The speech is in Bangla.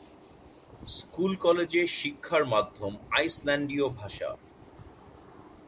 স্কুল কলেজে শিক্ষার মাধ্যম আইসল্যান্ডীয় ভাষা।